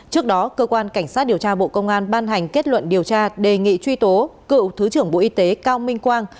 trước đó cơ quan cảnh sát điều tra bộ công an ban hành kết luận điều tra đề nghị truy tố cựu thứ trưởng bộ y tế cao minh quang